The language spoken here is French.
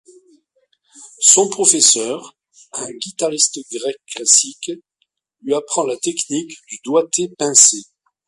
Son professeur, un guitariste grec classique, lui apprend la technique du doigté pincé.